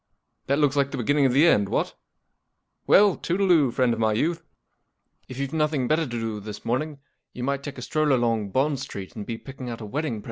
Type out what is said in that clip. That looks like the beginning of the end, what ? Well, toodle oo, friend of my youth. H you've nothing better to do this morning, you might take a stroll along Bond Street and be picking out a wedding present."